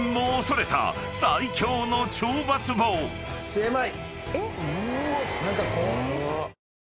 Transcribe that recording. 狭い！